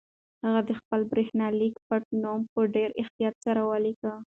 هغه د خپل برېښنالیک پټنوم په ډېر احتیاط سره ولیکه.